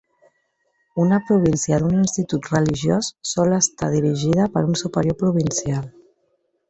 Una província d'un institut religiós sol estar dirigida per un superior provincial.